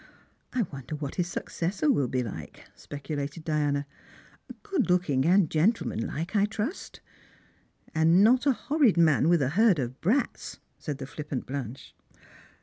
" I wonder what his successor will be like ?" speculated Diana. " Good looking and gentlemanlike, I trust." " And not a horrid man with a herd of brats," said the flip pant Blanche.